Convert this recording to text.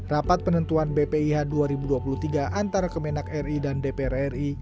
rapat penentuan bpih dua ribu dua puluh tiga antara kemenak ri dan dpr ri